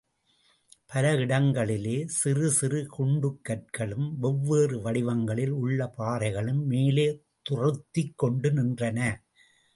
பல இடங்களிலே சிறு சிறு குண்டுக் கற்களும், வெவ்வேறு வடிவங்களில் உள்ள பாறைகளும் மேலே துறுத்திக் கொண்டு நின்றன.